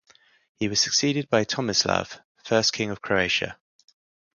He was succeeded by Tomislav, first king of Croatia.